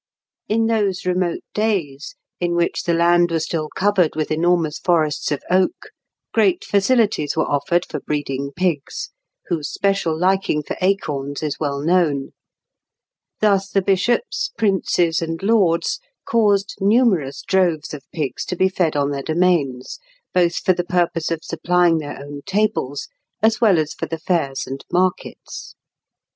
] In those remote days, in which the land was still covered with enormous forests of oak, great facilities were offered for breeding pigs, whose special liking for acorns is well known. Thus the bishops, princes, and lords caused numerous droves of pigs to be fed on their domains, both for the purpose of supplying their own tables as well as for the fairs and markets.